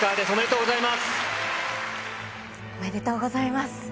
おめでとうございます。